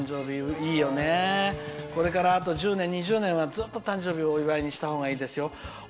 これからあと１０年、２０年はずっと誕生日をお祝いにしたほうがいいですよ。